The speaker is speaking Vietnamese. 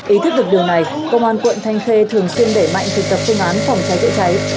ý thức được điều này công an quận thanh khê thường xuyên đẩy mạnh thực tập phương án phòng cháy chữa cháy